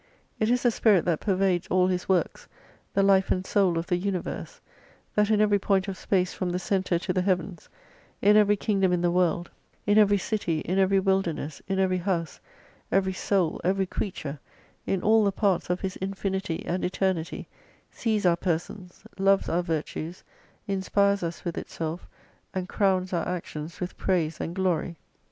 It is the Spirit that pervades all His works, the life and soul of the universe, that in every point of space from the centre to the heavens, in every kingdom in the world, in every city, in every wilderness, in every house, every soul, every creature, in all the parts of His infinity and eternity sees our persons, loves our virtues, inspires us with itself, and crowns our actions with praise and glory.